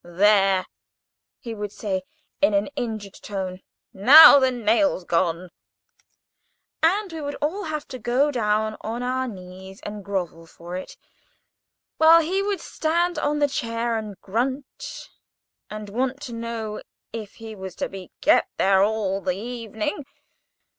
"There!" he would say, in an injured tone, "now the nail's gone." And we would all have to go down on our knees and grovel for it, while he would stand on the chair, and grunt, and want to know if he was to be kept there all the evening.